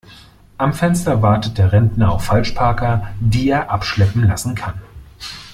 Am Fenster wartet der Rentner auf Falschparker, die er abschleppen lassen kann.